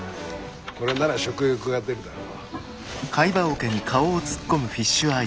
これなら食欲が出るだろう。